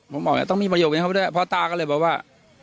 ผมบอกแล้วต้องมีประโยคให้เขาไปด้วยพ่อตาก็เลยบอกว่า